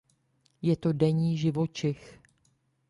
Je to denní živočich.